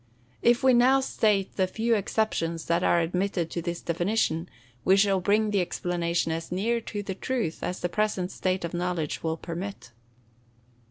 If we now state the few exceptions that are admitted to this definition, we shall bring the explanation as near to the truth, as the present state of knowledge will permit.